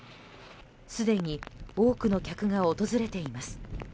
すでに多くの客が訪れています。